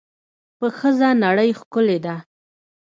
په ښځه نړۍ ښکلې ده.